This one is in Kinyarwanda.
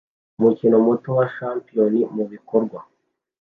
Umukino muto wa shampiyona mubikorwa